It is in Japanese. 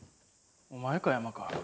お前か山川。